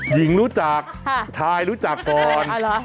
หญิงรู้จักชายรู้จักก่อน